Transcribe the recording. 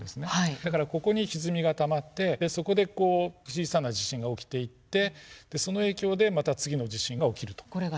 だからここにひずみがたまってそこでこう小さな地震が起きていってその影響でまた次の地震が起きると。